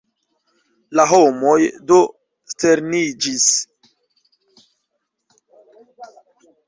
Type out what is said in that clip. La homoj do sterniĝis.